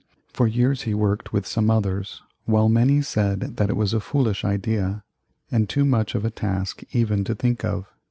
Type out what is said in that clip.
For years he worked, with some others, while many said that it was a foolish idea, and too much of a task even to think of.